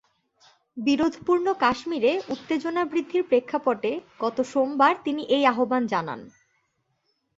বিরোধপূর্ণ কাশ্মীরে উত্তেজনা বৃদ্ধির প্রেক্ষাপটে গত সোমবার তিনি এই আহ্বান জানান।